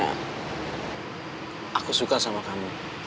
nath aku lapar banget